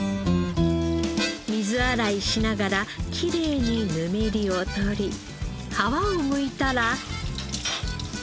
水洗いしながらきれいにぬめりを取り皮をむいたら。